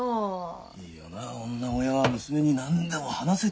いいよな女親は娘に何でも話せて。